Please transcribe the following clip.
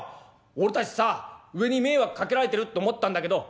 俺たちさ上に迷惑かけられてるって思ってたんだけど